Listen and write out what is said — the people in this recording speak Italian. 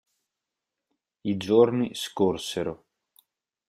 I giorni scorsero.